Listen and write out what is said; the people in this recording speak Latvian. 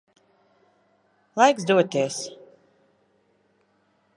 Laiks doties.